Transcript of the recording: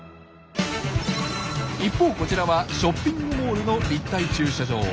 一方こちらはショッピングモールの立体駐車場。